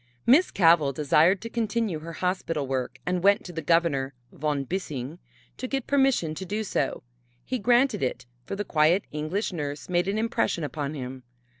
Miss Cavell desired to continue her hospital work and went to the Governor, Von Bissing, to get permission to do so. He granted it, for the quiet English nurse made an impression upon him.